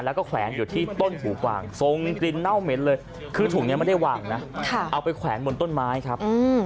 แล้วก็แขวนอยู่ที่ต้นหูกวางทรงกลิ่นเน่าเหม็นเลยคือถุงนี้ไม่ได้วางนะเอาไปแขวนบนต้นไม้ครับ